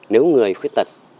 nếu người khuyết tật